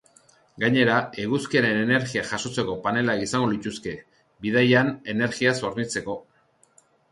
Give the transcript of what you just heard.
Gainera, eguzkiaren energia jasotzeko panelak izango lituzke, bidaian energiaz hornitzeko.